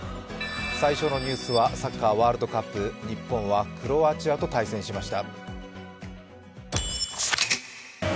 最初のニュースはサッカーワールドカップ、日本はクロアチアと対戦しました。